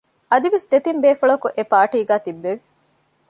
އަދިވެސް ދެތިން ބޭފުޅަކު އެޕާޓީގައި ތިއްބެވި